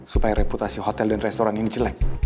supaya reputasi hotel dan restoran ini jelek